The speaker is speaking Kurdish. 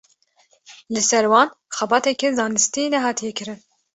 Li ser wan xebateke zanistî nehatiye kirin.